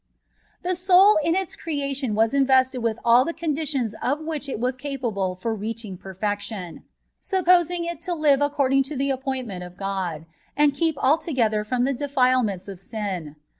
The soul in its creation waa invested with ali the conditions of which it was capable for reaching per fection, supposing it to live according to the ap pointment of God and keep altogether from the defilements of sin.